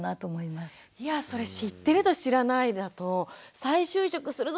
いやそれ知ってると知らないだと「再就職するぞ！」